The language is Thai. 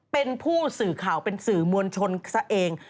เป็นผู้สื่อข่าวเป็นสื่อมวลชนซะเอง